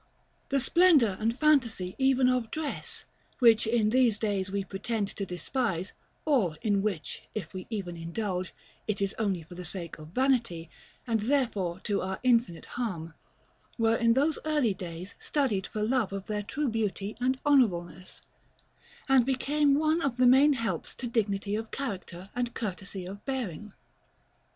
The splendor and fantasy even of dress, which in these days we pretend to despise, or in which, if we even indulge, it is only for the sake of vanity, and therefore to our infinite harm, were in those early days studied for love of their true beauty and honorableness, and became one of the main helps to dignity of character, and courtesy of bearing.